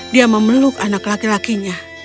dia memeluk anak laki lakinya